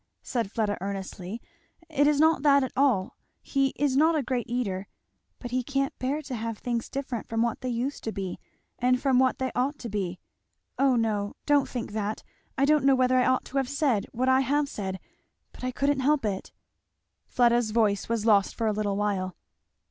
said Fleda earnestly, "it is not that at all he is not a great eater but he can't bear to have things different from what they used to be and from what they ought to be O no, don't think that! I don't know whether I ought to have said what I have said, but I couldn't help it " Fleda's voice was lost for a little while.